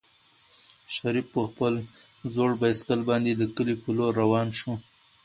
شریف په خپل زوړ بایسکل باندې د کلي په لور روان شو.